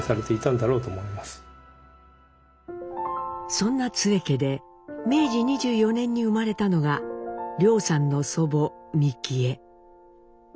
そんな津江家で明治２４年に生まれたのが凌さんの祖母ミキエ。